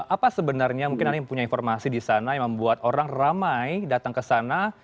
apa sebenarnya mungkin anda yang punya informasi di sana yang membuat orang ramai datang ke sana